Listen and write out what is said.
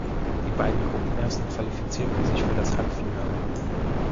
Die beiden Gruppenersten qualifizierten sich für das Halbfinale.